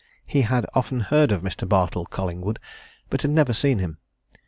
He had often heard of Mr. Bartle Collingwood, but had never seen him.